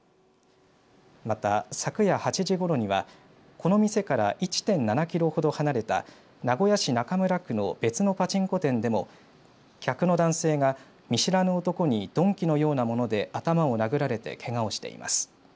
また、昨夜８時ごろにはこの店から１．７キロほど離れた名古屋市中村区の別のパチンコ店でも客の男性が見知らぬ男に鈍器のようなもので頭を殴られてけがをしています。